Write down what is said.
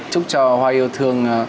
chúc cho hoa yêu thương